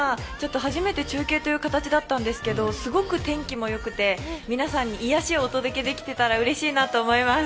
初めて中継という形だったんですけどすごく天気もよくて、皆さんに癒やしをお届けできていたらうれしいなと思います。